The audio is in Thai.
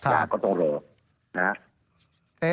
ยากก็ต้องรอนะครับ